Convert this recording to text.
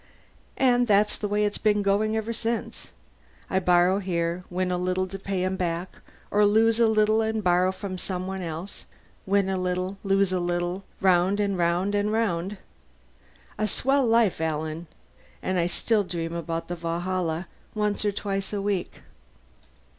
And that's the way it's been going ever since. I borrow here, win a little to pay him back, or lose a little and borrow from someone else, win a little, lose a little round and round and round. A swell life, Alan. And I still dream about the Valhalla once or twice a week."